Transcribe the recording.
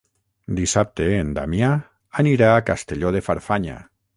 Dissabte en Damià anirà a Castelló de Farfanya.